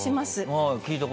はい。